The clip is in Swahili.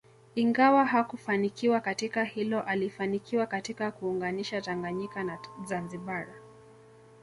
Ingawa hakufanikiwa katika hilo alifanikiwa katika kuunganisha Tanganyika na Zanzibar